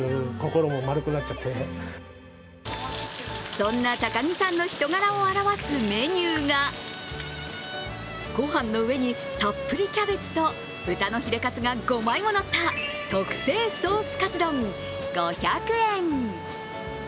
そんな高木さんの人柄を表すメニューがごはんの上にたっぷりキャベツと豚のヒレカツが５枚ものった特製ソースカツ丼５００円。